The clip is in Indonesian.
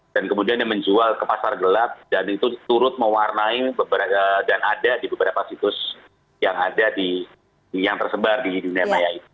dan kemudian menjual ke pasar gelap dan itu turut mewarnai dan ada di beberapa situs yang ada di yang tersebar di dunia maya itu